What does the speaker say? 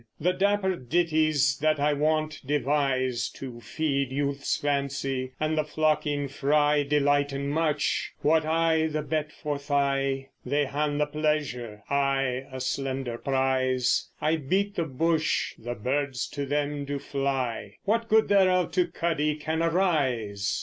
The dapper ditties that I wont devise, To feed youth's fancy, and the flocking fry Delghten much what I the bet forthy? They han the pleasure, I a slender prize: I beat the bush, the birds to them do fly: What good thereof to Cuddie can arise?